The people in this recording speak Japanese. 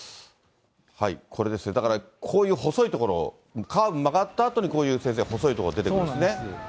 これですね、だからこういう細い所、カーブ曲がったあとにこういう先生、細い所が出てくるんですね。